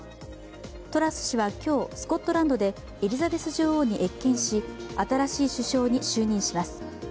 トラス氏は今日、スコットランドでエルザベス女王に謁見し、新しい首相に就任します。